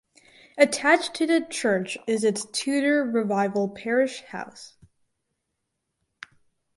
Attached to the church is its Tudor Revival parish house.